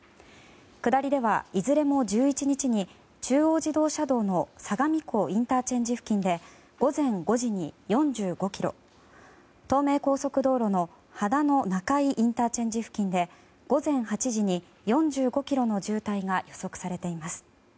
下りではいずれも１１日に中央自動車道の相模湖ＩＣ付近で午前５時に４５ｋｍ東名高速道路の秦野中井ＩＣ付近で午前８時に４５ｋｍの渋滞が予測されています。